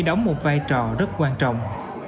đóng một vai trò rất quan trọng